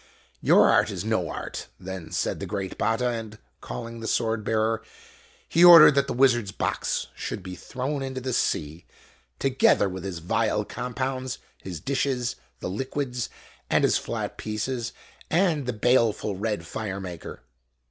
" Your art is no art !" then said the great Batta ; and, calling the swordbearer, he ordered that the wizard's box should be thrown into the sea, together with his vile compounds, his dishes, the liquids, and his flat pieces and the baleful red fire maker.